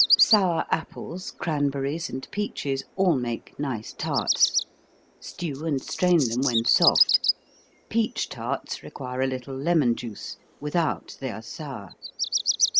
_ Sour apples, cranberries, and peaches, all make nice tarts. Stew, and strain them when soft. Peach tarts require a little lemon juice, without they are sour.